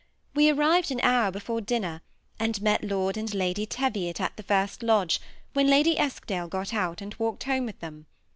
We anired an hour before dinner, and met Lord and Lady Teriot at the &«! kdge^ when Lady Eskdale got out, and walked home with th^n.